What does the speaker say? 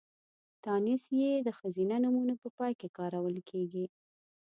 تانيث ۍ د ښځينه نومونو په پای کې کارول کېږي.